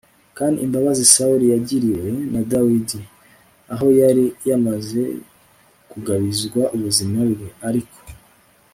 kandi imbabazi sawuli yagiriwe na dawudi, aho yari yamaze kugabizwa ubuzima bwe, ariko